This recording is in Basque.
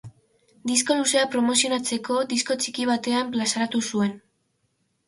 Disko luzea promozionatzeko disko txiki batean plazaratu zuen.